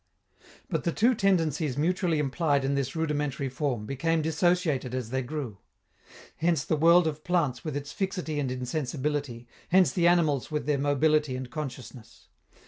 But the two tendencies mutually implied in this rudimentary form became dissociated as they grew. Hence the world of plants with its fixity and insensibility, hence the animals with their mobility and consciousness.